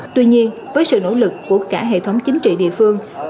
tuy nhiên với sự nỗ lực của cả hệ thống chính trị địa phương